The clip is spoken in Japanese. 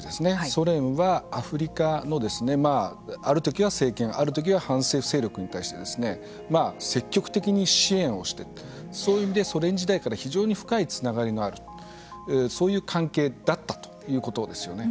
ソ連はアフリカのあるときは政権あるときは反政府勢力に対して積極的に支援をしてそういう意味でソ連時代から非常に深いつながりのあるそういう関係だったということですよね。